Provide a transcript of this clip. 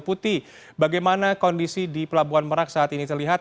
putih bagaimana kondisi di pelabuhan merak saat ini terlihat